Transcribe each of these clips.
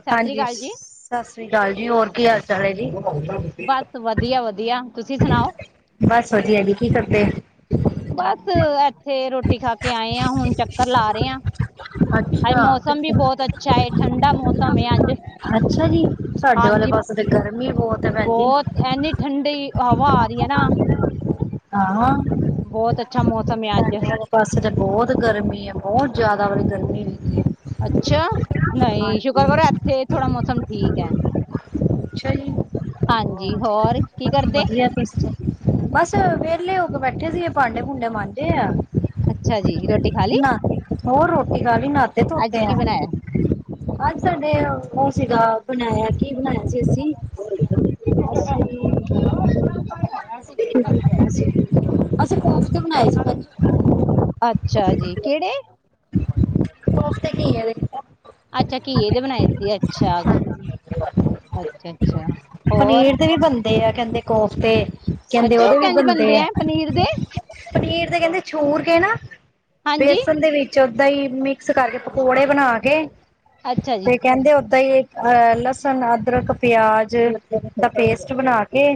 ਸਤਿ ਸ੍ਰੀ ਹਾਂਜੀ ਅਕਾਲ ਜੀ ਸਤਿ ਸ੍ਰੀ ਅਕਾਲ ਜੀ ਹੋਰ ਕੀ ਹਾਲ ਚਾਲ ਹੈ ਜੀ ਬਸ ਵਧੀਆ ਵਧੀਆ ਤੁਸੀਂ ਸੁਣਾਓ ਬਸ ਵਧੀਆ ਜੀ ਕੀ ਕਰਦੇ ਬਸ ਇੱਥੇ ਰੋਟੀ ਖਾ ਕੇ ਆਏ ਆ ਹੁਣ ਚੱਕਰ ਲਾ ਰਹੇ ਆ ਅੱਜ ਅੱਛਾ ਮੌਸਮ ਵੀ ਬਹੁਤ ਅੱਛਾ ਹੈ ਠੰਡਾ ਮੌਸਮ ਹੈ ਅੱਜ ਅੱਛਾ ਜੀ ਸਾਡੇ ਵਾਲੇ ਹਾਂਜੀ ਪਾਸੇ ਤੇ ਗਰਮੀ ਬਹੁਤ ਹੈ ਭੈਣ ਜੀ ਬਹੁਤ ਐਨੀ ਠੰਡੀੀ ਹਵਾ ਆ ਰਹੀ ਹੈ ਨਾ ਆ ਹਾਂ ਬਹੁਤ ਅੱਛਾ ਮੌਸਮ ਹੈ ਅੱਜ ਵਾਲੇ ਸਾਡੇ ਪਾਸੇ ਤਾਂ ਬਹੁਤ ਗਰਮੀ ਹੈ ਬਹੁਤ ਜਿਆਦਾ ਵਾਲੀ ਗਰਮੀ ਰੈਂਦੀ ਹੈ ਅੱਛਾ ਨਹੀਂ ਸ਼ੁਕਰ ਹਾਂਜੀ ਕਰੋ ਇੱਥੇ ਥੋੜਾ ਮੌਸਮ ਠੀਕ ਹੈ ਅੱਛਾ ਜੀ ਹਾਂਜੀ ਹੋਰ ਕੀ ਕਰਦੇ ਵਧੀਆ ਬਸ ਵਿਹਲੇ ਹੋ ਕੇ ਬੈਠੇ ਸੀ ਭਾਂਡੇ ਭੂੰਡੇ ਮੰਜਦੇ ਆ ਅੱਛਾ ਜੀ ਰੋਟੀ ਖਾ ਲਈ ਨਾ ਹੋਰ ਰੋਟੀ ਖਾ ਲਈ ਨਾਤੇ ਅੱਜ ਧੋਤੇ ਕੀ ਆ ਬਣਾਇਆ ਅੱਜ ਸੰਡੇ ਹੋ ਸੀਗਾ ਬਣਾਇਆ ਕੀ ਬਣਾਇਆ ਸੀ ਤੁਸੀਂ ਅਸੀ [unintelligible] ਅਸੀਂ ਕੋਫਤੇ ਬਣਾਏ ਸੀ ਭੈਣ ਜੀ ਅੱਛਾ ਜੀ ਕਿਹੜੇ ਕੋਫਤੇ ਮੈਂ ਕਿਹਾ ਘੀਏ ਦੇ ਅੱਛਾ ਅੱਛਾ ਘੀਏ ਦੇ ਇਹਦੇ ਬਣਾਏ ਸੀ ਅੱਛਾ ਅੱਛਾ ਅੱਛਾ ਹੋਰ ਪਨੀਰ ਵੀ ਬਣਦੇ ਦੇ ਆ ਕਹਿੰਦੇ ਕੋਫਤੇ ਕਹਿੰਦੇ ਅੱਛਾ ਉਹ ਉਹਦੇ ਵੀ ਕਿੰਝ ਬੰਦੇ ਬਣਦੇ ਆ ਹੈ ਪਨੀਰ ਦੇ ਪਨੀਰ ਦੇ ਕਹਿੰਦੇ ਛੂਰ ਕੇ ਨਾ ਹਾਂਜੀ ਬੇਸਨ ਦੇ ਵਿੱਚ ਓਦੇ ਚ ਹੀ ਮਿਕਸ ਕਰਕੇ ਪਕੌੜੇ ਬਣਾ ਕੇ ਅੱਛਾ ਜੀ ਤੇ ਕਹਿੰਦੇ ਓਦਾਂ ਹੀ ਲਸਣ ਅਦਰਕ ਪਿਆਜ ਦਾ ਪੇਸਟ ਬਣਾ ਕੇ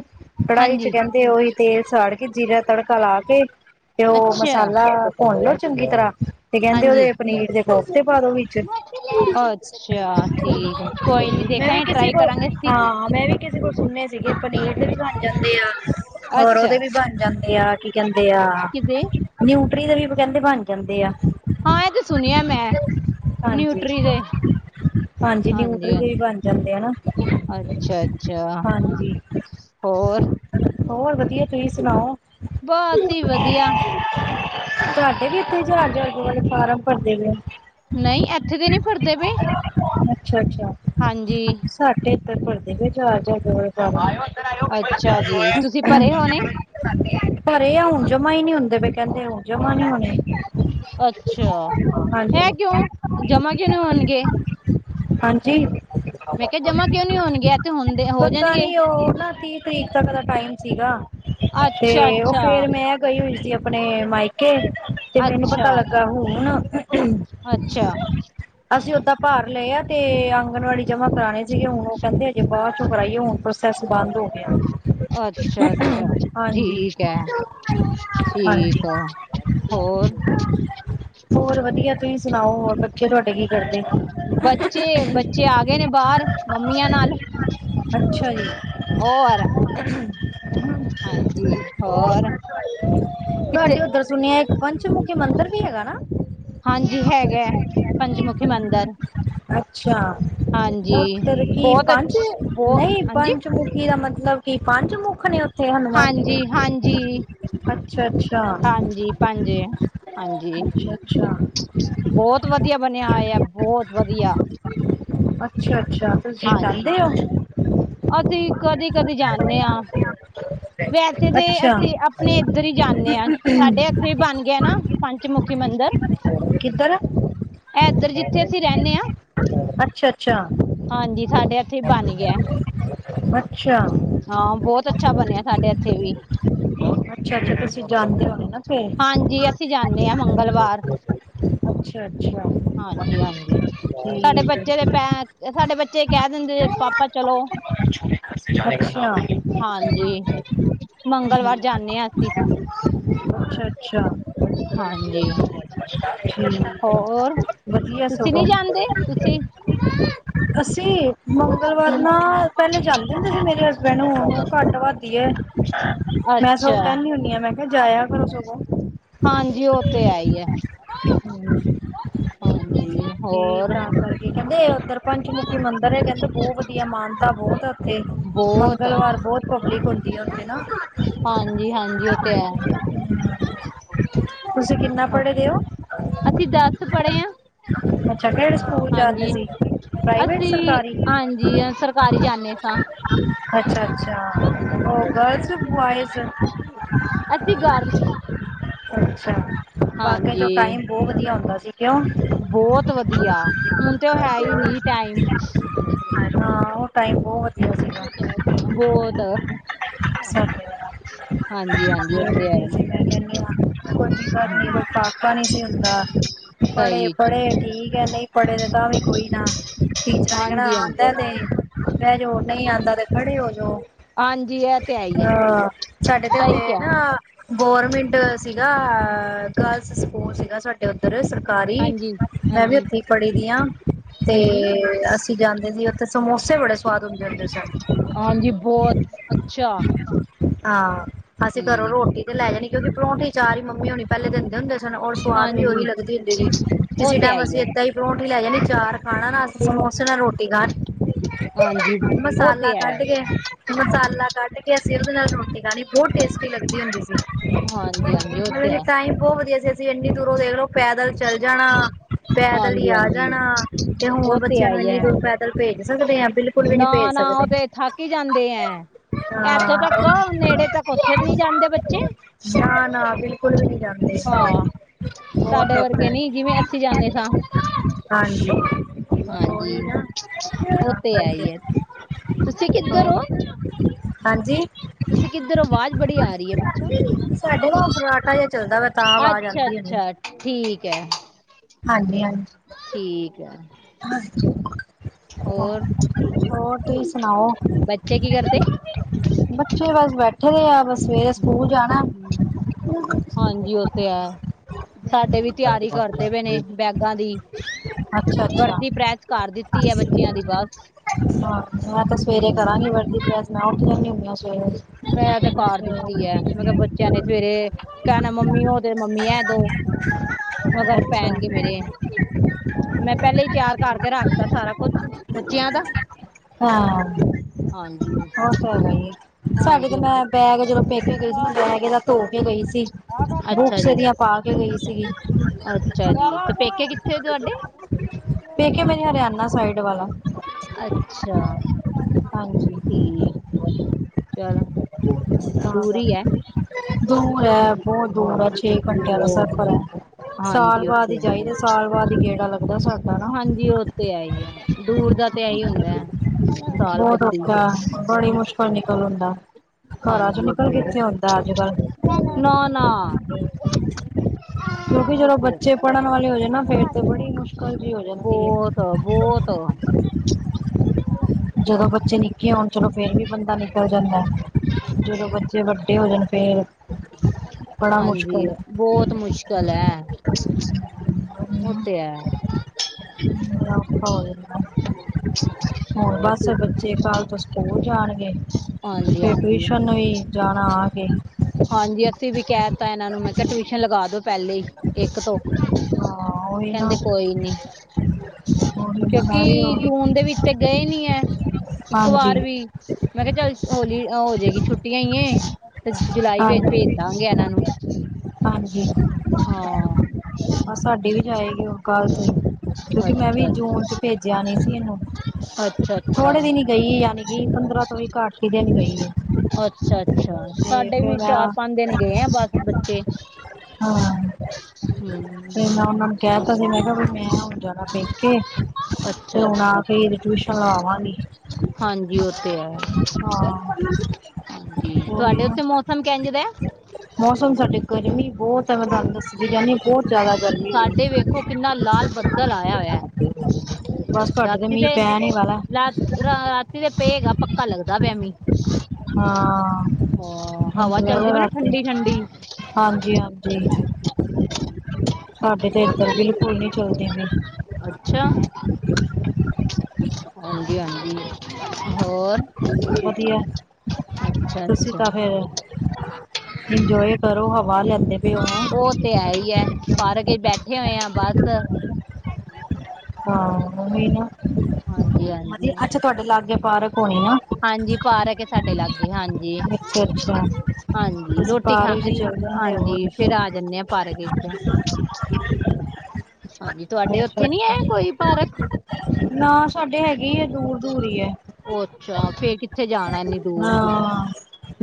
ਕੜਾਹੀ ਚ ਹਾਂਜੀ ਕਹਿੰਦੇ ਉਹੀ ਤੇਲ ਸਾੜ ਕੇ ਜੀਰਾ ਤੜਕਾ ਲਾ ਕੇ ਤੇ ਉਹ ਅੱਛਾ ਮਸਾਲਾ ਭੁੰਨ ਲੋਓ ਚੰਗੀ ਤਰ੍ਹਾਂ ਤੇ ਕਹਿੰਦੇ ਹਾਂਜੀ ਉਹਦੇ ਪਨੀਰ ਦੇ ਕੋਫਤੇ ਪਾਦੋ ਵਿੱਚ, ਅੱਛਾ ਠੀਕ ਹੈ ਕੋਈ ਨੀ ਮੈਂ ਵੀ ਦੇਖਾਂਗੇ ਕਿਸੇ ਟਰਾਈ ਕੋਲ ਕਰਾਂਗੇ ਅਸੀਂ ਹਾਂ ਮੈਂ ਵੀ ਕਿਸੇ ਕੋਲ ਸੁਣਿਆ ਸੀਗੇ ਪਨੀਰ ਦੇ ਵੀ ਬਣ ਜਾਂਦੇ ਆ। ਹੋਰ ਅੱਛਾ ਉਹਦੇ ਵੀ ਬਣ ਜਾਂਦੇ ਆ ਕੀ ਕਹਿੰਦੇ ਆ ਕਿਦੇ ਨਿਊਟਰੀ ਦੇ ਵੀ ਕਹਿੰਦੇ ਬਣ ਜਾਂਦੇ ਆ ਹਾਂ ਇਹ ਤੇ ਸੁਣ ਹਾਂਜੀ ਹਾਂਜੀ ਨਿਊਟਰਲ ਵੀ ਬਣ ਜਾਂਦੇ ਹਨਾ ਅੱਛਾ ਅੱਛਾ ਹੋਰ ਹੋਰ ਵਧੀਆ ਤੁਸੀਂ ਸੁਣਾਓ ਬਹੁਤ ਹੀ ਵਧੀਆ ਸਾਡੇ ਵੀ ਇੱਥੇ ਹਜ਼ਾਰ ਹਜ਼ਾਰ ਵਾਲੇ ਫਾਰਮ ਭਰਦੇ ਪ ਆ ਨਹੀਂ ਇੱਥੇ ਦੇ ਨਹੀ ਫਿਰਦੇ ਪਏ, ਹਾਂਜੀ। ਸਾਟੇ ਇੱਧਰ ਭਰਦੇ ਪਏ ਜਾ-ਜਾ ਕੇ, ਅੱਛਾ ਜੀ ਤੁਸੀਂ ਭਰੇ ਹੋਣੇ ਪਰੇ ਆ ਹੁਣ ਜਮਾ ਹੀ ਨਹੀਂ ਹੁੰਦੇ, ਕਹਿੰਦੇ ਹੁਣ ਜਮਾ ਨੀ ਹੋਣੇ। ਅੱਛਾ ਹੈ, ਹਾਂਜੀ ਕਿਉਂ ਜਮਾ ਕਿਉਂ ਨੀ ਹੋਣਗੇ। ਹਾਂਜੀ, ਮੈਂ ਕਿਹਾ ਜਮਾ ਕਿਉਂ ਨਹੀਂ ਹੋਣਗੇ ਇਹ ਤੇ ਹੁੰਦੇ ਹੋ ਪਤਾ ਜਾਣਗੇ ਨੀ ਉਹ ਨਾ ਕੀ, ਤਰੀਕ ਤੱਕ ਦਾ ਟਾਈਮ ਸੀਗਾ, ਤੇ ਅੱਛਾ ਉਹ ਅੱਛਾ ਫੇਰ ਮੈਂ ਗਈ ਹੋਈ ਸੀ, ਆਪਣੇ ਮਾਇਕੇ ਤੇ ਮੈਨੂੰ ਪਤਾ ਅੱਛਾ ਲੱ ਕਹ ਹੁਣ, ਅੱਛਾ ਅਸੀਂ ਓਦਾਂ ਭਾਰ ਲਏ ਆ ਤੇ ਆਂਗਨਵਾੜੀ ਜਮਾ ਕਰਾਣੇ ਸੀਗੇ, ਹੁਣ ਉਹ ਕਹਿੰਦੇ ਹਜੇ ਬਾਅਦ ਚੋਂ ਕਰਾਈਏ ਹੁਣ ਸੈਸ ਬੰਦ ਹੋ ਗਿਆ। ਅੱਛਾ-ਅੱਛਾ ਹਾਂਜੀ ਠੀਕ ਹੈ ਹਾਂਜੀ ਠੀਕ ਆ। ਹੋਰ, ਹੋਰ ਵਧੀਆ, ਤੁਸੀਂ ਸੁਣਾਓ ਹੋਰ? ਤੁਹਾਡੇ ਕੀ ਕਰਦੇ ਬੱਚੇ-ਬੱਚੇ ਆ ਗਏ, ਨੇ ਬਾਹਰ ਮੰਮੀਆਂ ਨਾਲ ਅੱਛਾ ਜੀ, ਔਰ ਹਾਂਜੀ, ਹੋਰ ਕਿਥੇ? ਤੁਹਾਡੇ ਉੱਧਰ ਸੁਣਿਆ ਇੱਕ ਪੰਚਮੁਖੀ ਮੰਦਿਰ ਵੀ ਹੈਗਾ ਨਾ, ਹਾਂਜੀ ਹੈਗਾ, ਪੰਚਮੁਖੀ ਮੰਦਿਰ ਅੱਛਾ ਹਾਂਜੀ ਮਤਲਬ ਕੀ ਬਹੁਤ ਪੰਜ ਅੱਛ ਬਹੁ ਨਹੀਂ ਹਾਂਜੀ ਪੰਜ ਮੁੱਖ ਦਾ ਮਤਲਬ ਕਿ ਪੰਜ ਮੁੱਖ ਨੇੇ ਜੀ, ਜੀ ਦੇ ਹਾਂਜੀ ਹਾਂਜੀ ਅੱਛਾ-ਅੱਛਾ। ਜੀ ਪੰਜ ਹਾਂਜੀ, ਅੱਛਾ ਬਹੁਤ ਵਧੀਆ ਬਣਿਆ ਹੋਇਆ ਬਹੁਤ ਵਧੀਆ। ਅੱਛਾ-ਅੱਛਾ, ਤੁਸੀ ਹਾਂਜੀ ਜਾਦੇ ਹੋ। ਅਸੀਂ ਕਦੇ-ਕਦੇ ਜਾਂਨੇ ਹਾਂ। ਵੈਸੇ ਤਾਂ ਅੱਛਾ ਅਸੀਂ ਆਪਣੇ ਇੱਧਰ ਹੀ ਜਾਂਦੇ ਹਾਂ ਸਾਡੇ, ਉੱਥੇ ਬਣ ਗਿਆ, ਨਾ ਪੰਚਮੁਖੀ ਮੰਦਿਰ ਕਿਧਰ? ਇਧਰ ਜਿੱਥੇ ਅਸੀਂ ਰਹਿੰਦੇ ਹਾਂ। ਅੱਛਾ, ਅੱਛਾ, ਹਾਂਜੀ ਸਾਡੇ ਇੱਥੇ ਬਣ ਗਿਆ ਅੱਛਾ। ਹਾਂ ਬਹੁਤ ਅੱਛਾ ਬਣਿਆ, ਸਾਡੇ ਇੱਥੇ ਵੀ ਅੱਛਾ, ਅੱਛਾ ਤੁਸੀਂ ਜਾਂਦੇ ਹੋਗੇ ਨਾ ਫਿਰ ਹਾਂਜੀ, ਅਸੀਂ ਜਾਂਦੇ ਹਾਂ ਮੰਗਲਵਾਰ ਅੱਛਾ, ਅੱਛਾ। ਹਾਂਜੀ ਤੇ ਸਾਡੇ ਬੱਚੇ ਕਹਿ ਦਿੰਦੇ, ਪਾਪਾ ਚਲੋ ਅੱਛਾ ਹਾਂਜੀ। ਮੰਗਲਵਾਰ ਜਾਂਦੇ ਹਾਂ ਅਸੀਂ ਅੱਛਾ, ਅੱਛਾ। ਹਾਂਜੀ, ਠੀਕ ਹੋਰ? ਵਧੀਆ ਤੁਸੀਂ ਸਗੋ। ਨਹੀਂ ਜਾਂਦੇ ਤੁਸੀਂ ਅਸੀਂ ਮੰਗਲਵਾਰ ਹਮ ਨਾ ਪਹਿਲੇ ਚੱਲਦੇ। ਕ ਮੇਰੇ ਹਸਬੈਂਡ ਘੱਟ ਵਦੀ ਮੈਂ ਸਗੋ ਅੱਛਾ ਕਹਿੰਦੀ ਹੁੰਦੀ ਆ ਮੈਂ, ਮੈਂ ਜਾਇਆ ਘਰੋਂ ਸਗੋਂ ਹਾਂਜੀ ਉਹ ਤੇ ਹੈ ਹੀ ਹੈ ਹਾਂਜੀ ਤੇ ਹੋਰ ਤਾਂ ਕਰਕੇ ਕਹਿੰਦੇ ਉ ਪੰਚਮੁਖੀ ਮੰਦਿਰ ਹੈ, ਕਹਿੰਦੇ ਬਹੁਤ ਵਧੀਆ ਮਾਨਤਾ ਬਹੁਤ ਆ, ਉੱਥੇ ਬਹੁਤ ਮੰਗਲਵਾਰ ਬਹੁਤ ਪਬਲਿਕ ਹੁੰਦੀ ਆ ਉੱਥੇ ਨਾ ਹਾਂਜੀ, ਹਾਂਜੀ ਉਹ ਤੇ ਹੈ। ਤੁਸੀਂ ਕਿੰਨਾ ਪੜ੍ਹੇ ਦੇ ਹੋ? ਅਸੀਂ ਦੱਸ ਪੜ੍ਹੇ ਹਾਂ। ਅੱਛਾ, ਕਿਹੜੇ ਸਕੂਲ ਜਾਂਦੇ ਹਾਂਜੀ ਸੀ ਪ੍ਰਵੇਟ ਅਸੀਂ ਸਰਕਾਰੀ। ਹਾਂਜੀ ਸਰਕਾਰੀ ਜਾਂਦੇ ਸਾਂ ਅੱਛਾ, ਅੱਛਾ ਹੋ ਗਲਸ ਬੋਇਜ਼ ਅਸੀਂ ਗਰਲਸ ਅੱਛਾ ਬਾਕੀ ਜੋ ਹਾਂਜੀ ਟਾਈਮ ਬਹੁਤ ਵਧੀਆ ਹੁੰਦਾ। ਕਿਉ? ਬਹੁਤ ਵਧੀਆ ਹੁਣ ਤੇ ਉਹ ਹੈ ਹੀ ਨਹੀਂ ਟਾਈਮ ਉਹ ਟਾਈਮ ਬਹੁਤ ਵਧੀਆ ਸੀਗਾ ਬਹੁਤ ਸਾਡੇ ਵਾਲਾ ਹਾਂਜੀ ਹਾਂਜੀ ਬਹੁਤ ਉੱਥੇ ਹੈ ਵਧੀਆ ਹੀ ਆ ਸੀ ਮੈਂ ਕਹਿੰਦੀ ਕੋਈ ਵੀ ਘਰੇ ਨਹੀਂ ਪਾਪਾ ਨਹੀਂ ਸੀਗੇ ਇਦਾਂ ਪੜੇ ਸਹੀ ਚ ਪੜੇ ਠੀਕ ਹੈ ਨਹੀਂ ਪੜੇ ਤਾਂ ਵੀ ਕੋਈ ਨਾ ਟੀਚਰਾਂ ਨੇ ਕਿਹੜਾ ਹਾਂਜੀ ਹਾਂਜੀ ਆਉਂਦਾ ਤੇ ਮੈ ਜੋ ਨਹੀਂ ਆਉਂਦਾ ਤੇ ਖੜੇ ਹੋ ਜੋ ਹਾਂਜੀ ਇਹ ਤੇ ਹੈ ਹੀ ਹੈ ਹਾਂ ਸਾਡੇ ਤੇ ਸਹੀ ਹਦੇ ਕਿਹਾ ਨਾ ਗਰਮਿੰਟ ਸੀਗਾ ਗੈਲ ਸਕੂਲ ਸੀਗਾ ਸਾਡਾ ਉੱਧਰ ਸਰਕਾਰੀ ਹਾਂਜੀ ਮੈਂ ਵੀ ਹਾਂਜੀ ਉੱਥੇ ਹੀ ਪੜੀ ਦੀ ਆ ਤੇ ਹਾਂਜੀ ਅਸੀ ਜਾਂਦੇ ਸੀ ਉੱਥੇ ਸਮੋਸੇ ਬੜੇ ਸਵਾਦ ਹੁੰਦੇ ਹੁੰਦੇ ਸਨ ਹਾਂਜੀ ਬਹੁਤ ਅੱਛਾ ਹਾਂ ਅਸੀਂ ਘਰੋ ਠੀਕ ਰੋਟੀ ਤੇ ਲੈ ਜਾਣੀ ਕਿਉਂਕਿ ਪਰੌਂਠੀ ਚਾਰ ਹੀ ਮੰਮੀ ਹੋਣੀ ਪਹਿਲੇ ਦਿੰਦੇ ਹੁੰਦੇ ਸੀ ਰ ਸਵਾਦ ਵੀ ਉਹੀ ਹਾਂਜੀ ਲੱਗਦੀ ਹੁੰਦੀ ਜੀ ਉਹ ਕਿਸੇ ਤੇ ਹੈ ਟਾਈਮ ਅਸੀਂ ਹੈ ਇੱਕ ਹੀ ਪਰੋਠੀ ਹੀ ਲੈ ਜਾਂਦੇ ਚਾਰ ਖਾਣਾ ਨਾ ਸਮੋਸੇ ਨਾਲ ਰੋਟੀ ਖਾਣ ਹਾਂਜੀ ਉਹ ਮਸਾਲਾ ਤੇ ਹੈ ਕੱਢ ਕੇ ਮਸਾਲਾ ਕੱਢ ਕੇ ਅਸੀਂ ਉਹਦੇ ਨਾਲ ਰੋਟੀ ਖਾਣੀ ਬਹੁਤ ਟੇਸਟੀ ਲੱਗਦੀ ਹੁੰਦੀ ਸੀ ਹਾਂਜੀ ਹਾਂਜੀ ਉਹ ਮਤਲਬ ਤੇ ਕਿ ਹੈ ਟਾਈਮ ਬਹੁਤ ਵਧੀਆ ਸੀ ਅਸੀਂ ਇੰਨੀ ਦੂਰੋਂ ਦੇਖ ਲਓ ਪੈਦਲ ਚੱਲ ਜਾਣਾ ਪੈਦਲ ਹੀ ਹਾਂਜੀ ਆ ਹਾਂਜੀ ਜਾਣਾ ਤੇ ਉਹ ਹੁਣ ਤੇ ਬੱਚਿਆਂ ਹੈ ਨੂੰ ਹੀ ਇੰਨੀ ਹੈ ਦ ਪੈਦਲ ਭੇਜ ਸਕਦੇ ਹਾਂ ਬਿਲ ਨਾ ਨਾ ਉਹ ਤੇ ਥੱਕ ਹੀ ਜਾਂਦੇ ਐ ਇੱਥੋਂ ਤੱਕ ਹਾਂ ਨੇੜੇ ਤੱਕ ਉੱਥੇ ਨਹੀਂ ਜਾਂਦੇ ਬੱਚੇ ਸ਼ਾਂਤ ਨਾ ਬਿਲਕੁਲ ਵੀ ਨੀ ਜਾਂਦੇ ਹਾਂ ਬਹੁਤ ਸਾਡੇ ਵਰਗੇ ਔਖਾ ਨੀ ਜਿਵੇਂ ਅਸੀਂ ਜਾਂਦੇ ਸਾਂ ਹਾਂਜੀ ਹਾਂਜੀ ਉਹੀ ਉਹ ਨਾ ਤੇ ਉਹ ਤਾਂ ਤੇ ਕਰਕੇ ਹੈ ਤੁਸੀਂ ਕਿੱਧਰ ਹੋ ਹੋਰ ਹਾਂਜੀ ਤੁਸੀਂ ਕਿੱਧਰ ਆਵਾਜ਼ ਬੜੀ ਆ ਰਹੀ ਹੈ ਪਿੱਛੋਂ ਸਾਡੇ ਫਰਾਟਾ ਜਿਹਾ ਚੱਲਦਾ ਵਾ ਤਾਂ ਆਵਾਜ਼ ਅੱਛਾ ਆਉਂਦੀ ਹੋਣੀ ਅੱਛਾ ਠੀਕ ਹੈ ਹਾਂਜੀ ਹਾਂਜੀ ਠੀਕ ਹੈ ਹਾਂਜੀ ਹੋਰ ਹੋਰ ਤੁਸੀ ਸੁਣਾਓ ਬੱਚੇ ਕੀ ਕਰਦੇ ਬੱਚੇ ਬਸ ਬੈਠੇ ਫਰੀ ਆ ਸਵੇਰੇ ਸਕੂਲ ਜਾਣਾ ਹਾਂਜੀ ਉਹ ਤੇ ਹੈ ਸਾਡੇ ਵੀ ਤਿਆਰੀ ਕਰਦੇ ਪਏ ਨੇ ਬੈਗਾਂ ਦੀ ਅੱਛਾ ਅੱਛਾ ਵਰਦੀ ਪ੍ਰੈਸ ਕਰ ਦਿੱਤੀ ਹੈ ਬੱਚਿਆਂ ਦੀ ਬਸ ਮੈਂ ਤਾਂ ਸਵੇਰੇ ਹਮ ਕਰਾਂਗੀ ਵਰਦੀ ਪ੍ਰਸ ਮੈਂ ਉੱਠੀ ਜਾਂਦੀ ਹਦੀ ਹਾਂ ਸਵੇਰੇ ਮੈਂ ਤੇ ਕਾਰ ਸਵੇਰੇ ਦਿੱਤੀ ਹੈ ਮੈਂ ਕਿਹਾ ਕਰਦੀ ਹਾਂ ਬੱਚਿਆਂ ਨੇ ਸਵੇਰੇ ਕਹਿਣਾ ਮੰਮੀ ਉਹ ਦੇ ਮੰਮੀ ਐ ਦੋ ਮਗਰ ਪੈਣਗੇ ਅੱਛਾ ਮੇਰੇ। ਪਹਿਲਾਂ ਹੀ ਤਿਆਰ ਕਰਕੇ ਰੱਖਤਾ ਸਾਰਾ ਕੁਛ ਬੱਚਿਆਂ ਦਾ। ਹਾਂਜੀ, ਬਹੁਤ ਹੈ ਗਈ ਸਾਡੇ ਤੇ ਹਾਂਜੀ ਓਕੇ ਮੈਂ ਬੈਗ ਜਦੋਂ ਪੇਕੇ ਕੇ ਗਈ ਸੀ ਨਾ ਬੈਗ ਇਹਦਾ ਧੋ ਕੇ ਗਈ ਸੀ ਅੱਛਾ ਬੁਕਸ ਜੀ ਇਹਦੀਆਂ ਪਾ ਕੇ ਗਈ ਸੀਗੀ ਅੱਛਾ ਜੀ ਤੇ ਪੇਕੇ ਕਿੱਥੇ ਤੁਹਾਡੇ ਪੇਕੇ ਮੇਰੇ ਹਰਿਆਣਾ ਸਾਈਡ ਵਾਲਾ ਅੱਛਾ ਹਾਂਜੀ ਠੀਕ ਹੈ ਚਲੋ ਤਾਂ ਦੂੂਰ ਹੀ ਆ ਕਰਕੇ ਦੂਰ ਹੈ ਬਹੁਤ ਦੂਰ ਹੈ ਛੇ ਘੰਟਿਆਂ ਦਾ ਬਹੁਤ ਸਫ਼ਰ ਹੈ ਸਾਲ ਹਾਂਜੀ ਬਾਅਦ ਹੀ ਉੱਥੇ ਆ। ਜਾਈਦਾ ਸਾਲ ਵਾਰ ਹੀ ਗੇੜਾ ਲੱਗਦਾ ਸਾਡਾ ਨਾ ਹਾਂਜੀ ਉਹ ਤੇ ਹੈ ਹੀ ਹੈ ਦੂਰ ਦਾ ਤੇ ਇਹੀ ਹੁੰਦਾ ਹੈ ਸਾਲ ਬਹੁਤ ਬੱਦੀ ਔਖਾ ਬੜੀ ਮੁਸ਼ਕਿਲ ਨਿਕਲ ਹੁੰਦਾ ਘਰਾਂ ਚ ਹਾਂਜੀ ਉਹ ਨਿਕਲ ਤੇ ਹੈ ਕਿੱਥੇ ਹੁੰਦਾ ਅੱਜਕੱਲ। ਨਾ ਨਾ ਕਿਉਂਕਿ ਉਹ ਜਦੋ ਤੇ ਬੱਚੇ ਪੜ੍ਹਨ ਵਾਲੇ ਹੋ ਜਾਣ ਨਾ ਫੇਰ ਤੇ ਬੜੀ ਮੁਸ਼ਕਿਲ ਜੀ ਹੋ ਜਾਂਦੀ। ਹੈ ਬਹੁਤ-ਬਹੁਤ, ਜਦੋਂ ਬੱਚੇ ਨਿੱਕੇ ਹੋਣ ਚਲੋ ਫੇਰ ਵੀ ਬੰਦਾ ਨਿਕਲ ਜਾਂਦਾ। ਜਦੋਂ ਬੱਚੇ ਵੱਡੇ ਹੋ ਜਾਣ ਫੇਰ ਬੜਾ ਹਾਂਜੀ ਮੁਸ਼ਕਿਲ ਬਹੁਤ ਮੁਸ਼ਕਿਲ ਐ ਉਹ ਤੇ ਹੈ। ਬੜਾ ਔਖਾ ਹੋ ਜਾਂਦਾ ਹੁਣ ਹੋਰ ਬਸ ਬੱਚੇ। ਤੇ ਕੱਲ ਤੋਂ ਸਕੂਲ ਜਾਣਗੇ ਹਾਂਜੀ ਫਿਰ ਹਾਂਜੀ ਟਿਊਸ਼ਨ ਵੀ ਜਾਣਾ ਆ ਕੇ। ਹਾਂਜੀ, ਅਸੀਂ ਵੀ ਕਹਿ ਤਾ ਇਹਨਾਂ ਨੂੰ ਮੈਂ ਕਿਹਾ ਟਿਊਸ਼ਨ ਲਗਾ ਦੋ ਪਹਿਲੇ ਹੀ। ਇੱਕ ਤੋਂ ਹਾਂ ਉਹੀ ਨਾ ਕਹਿੰਦੇ ਕੋਈ ਨੀ। ਉਹੀ ਮੈਂ ਵੀ ਕਿਉਂਕਿ ਹੁਣ ਜੂਨ ਦੇ ਵਿੱਚ ਗਏ ਨੀ ਐ। ਇੱਕ ਹਾਂਜੀ ਵਾਰ ਵੀ ਮੈਂ ਕਿਹਾ ਚੱਲ ਲੀ ਓ ਹੋਜੇਗੀ ਛੁੱਟੀਆਂ ਈ ਆ ਤੇ ਜੁਲਾਈ ਵਿੱਚ ਭੇਜ ਹਾਂਜੀ ਦਾਂਗੇ ਇਹਨਾਂ ਨੂੰ। ਹਾਂਜੀ, ਹਾਂ, ਆ ਸਾਡੀ ਵੀ ਜਾਏਗੀ ਕੱਲ ਤੋਂ ਕਿਉਂਕਿ ਮੈਂ ਵੀ ਅੱਛਾ ਜੂਨ ਚ ਭੇਜਿਆ ਨੀ ਸੀ ਇਹਨੂੰ ਅੱਛਾ-ਅੱਛਾ, ਥੋੜ੍ਹੇ ਦਿਨ ਹੀ ਯਾਨੀ ਕਿ ਪੰਦਰਾਂ ਤੋਂ ਵੀ ਘੱਟ ਹੀ ਦਿਨ ਗਈ ਐ। ਅੱਛਾ-ਅੱਛਾ, ਸਾਡੇ ਵੀ ਚਾਰ ਹਾਂ ਪੰਜ ਦਿਨ ਗਏ ਆ ਬਸ ਬੱਚੇ। ਹਾਂ, ਹਮ ਤੇ ਮੈਂ ਉਹਨਾਂ ਨੂੰ ਕਹਿਤਾ ਸੀ ਮੈਂ ਕਿਹਾ ਵੀ ਮੈਂ ਹੁਣ ਜਾਣਾ ਪੇਕੇ। ਤੇ ਅੱਛਾ ਹੁਣ ਆ ਅੱਛਾ ਕੇ ਹੀ ਟਿਊਸ਼ਨ ਲਵਾਵਾਂਗੀ। ਹਾਂਜੀ ਉਹ ਤੇ ਹੈ ਹਾਂ, ਉਹੀ ਤੁਹਾਡੇ ਨਾ ਉੱਥੇ ਮੌਸਮ ਕਿੰਜ ਦਾ। ਮੌਸਮ ਸਾਡੇ ਗਰਮੀ ਬਹੁਤ ਐ ਦੱਸੀ ਤਾਂ ਜਾਂਣੀ ਬਹੁਤ ਜਿਆਦਾ ਗਰਮੀ ਹੋਈ। ਸਾਡੇ ਵੇਖੋ ਕਿੰਨਾ ਲਾਲ ਬੱਦਲ ਆਇਆ ਹੋਇਆ ਬਸ ਤੁਹਾਡੇ ਰਾਤੀ ਮੀਂਹ ਤੇ ਪੈਣ ਹੀ ਵਾਲਾ ਰਾ ਰਾਤੀ ਤੇ ਪਏਗਾ ਪੱਕਾ ਲੱਗਦਾ ਪਿਆ ਮੀਂਹ। ਹਾਂ, ਹਾਂ ਹਵਾ ਚੱਲਦੀ ਪਈ ਨਾ ਠੰਡੀ ਠੰਡੀ [unintelligible] ਹਾਂਜੀ-ਹਾਂਜੀ, ਸਾਡੇ ਤੇ ਇੱਧਰ ਤਾਂ ਬਿਲਕੁਲ ਨੀ ਚੱਲਦੀ ਪਈ। ਅੱਛਾ, ਹਾਂਜੀ ਹਾਂਜੀ ਹੋਰ ਵਧੀਆ ਅੱਛਾ ਤੁਸੀ ਅੱਛਾ ਤਾਂ ਫਿਰ ਇੰਜੋਏ ਕਰੋ ਹਵਾ ਲੈਂਦੇ ਪਏ ਓ ਹੈਂ। ਉਹ ਤੇ ਹੈਈ ਐ ਪਾਰਕ ਚ ਬੈਠੇ ਹੋਏ ਆ ਬਸ। ਹਾਂ, ਉਹੀ ਨਾ ਹਾਂਜੀ ਵਧੀਆ ਹਾਂਜੀ ਅੱਛਾ ਤੁਹਾਡੇ ਲਾਗੇ ਪਾਰਕ ਹੋਣੀ ਨਾ। ਹਾਂਜੀ, ਪਾਰਕ ਆ ਸਾਡੇ ਲਾਗੇ ਹਾਂਜੀ। ਅੱਛਾ ਅੱਛਾ ਹਾਂਜੀ, ਤੁਸੀਂ ਰੋਟੀ ਖਾ ਪਾਰਕ ਚ ਚੱਲ ਜਾਂਦੇ ਹੋ ਹਾਂਜੀ ਫੇਰ ਆ ਜਾਣੇ ਆ ਪਾਰਕ ਵਿੱਚ। ਹਾਂਜੀ, ਤੁਹਾਡੇ ਅੱਛਾ ਉੱਥੇ ਨੀ ਐ ਅੱਛਾ ਕੋਈ ਪਾਰਕ ਨਾ, ਸਾਡੇ ਹੈਗੀ ਐਂ ਦੂਰ ਦੂਰ ਈ ਐ। ਉਹ ਅੱਛਾ, ਫੇਿਰ ਕਿੱਥੇ ਜਾਣਾ ਇੰਨੀ ਦੂਰ? ਹਾਂ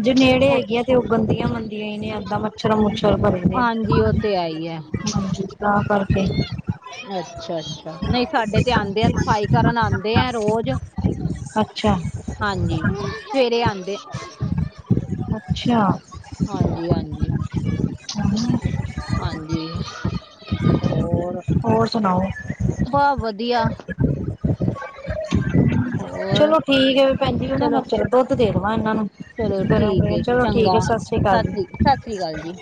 ਜੇ ਨੇੜੇ ਹੈਗੀਆਂ ਤੇ ਉਹ ਗੰਦੀਆਂ ਮੰਦੀਆਂ ਹੀ ਨੇ ਐਦਾ। ਮੱਛਰ ਮੁੱਛਰ ਬਣਦੇ ਹਾਂਜੀ ਉਹ ਤੇ ਹੈ ਹੀ ਹੈ ਹਾਂਜੀ ਤਾਂ ਕਰਕੇ। ਅੱਛਾ। ਨਹੀਂ, ਸਾਡੇ ਤੇ ਆਂਦੇ ਆ ਸਫ਼ਾਈ ਕਰਨ ਆਂਦੇ ਆ ਰੋਜ਼ ਅੱਛਾ ਹਾਂਜੀ ਸਵੇਰੇ ਆਂਦੇ। ਅੱਛਾ। ਹਾਂਜੀ, ਹਾਂਜੀ ਹਾਂ ਹਾਂਜੀ। ਹੋਰ? ਹੋਰ ਸੁਣਾਓ? ਬਹੁਤ ਵਧੀਆ। ਹੋਰ ਚਲੋ ਠੀਕ ਐ ਫਿਰ ਭੈਣ ਜੀ ਉਹ ਨਾ ਚਲੋ ਮੈ ਦੁੱਧ ਦੇਵਾਂ ਇਹਨਾਂ ਨੂੰ। ਚਲੋ ਗਰਮ ਠੀਕ ਹੈ, ਗਰਮ ਚਲੋ ਚੰਗਾ, ਠੀਕ ਹੈ ਸਤਿ ਅਕਾਲ ਜੀ ਸ੍ਰੀ, ਸਤਿ ਸ੍ਰੀ ਅਕਾਲ ਜੀ।